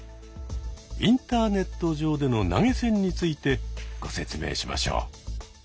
インターネット上での投げ銭についてご説明しましょう。